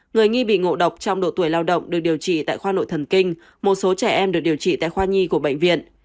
người nghi bị ngộ độc trong độ tuổi lao động được điều trị tại khoa nội thần kinh một số trẻ em được điều trị tại khoa nhi của bệnh viện